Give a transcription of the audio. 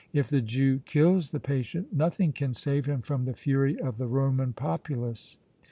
If the Jew kills the patient nothing can save him from the fury of the Roman populace!"